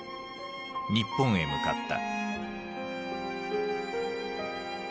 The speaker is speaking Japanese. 日本へ向かった。